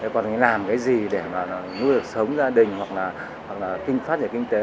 còn làm cái gì để mà nuôi được sống gia đình hoặc là phát giải kinh tế